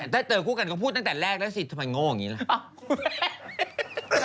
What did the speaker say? ถ้าเจอคู่กันก็พูดตั้งแต่แรกแล้วสิทำไมโง่อย่างนี้ล่ะ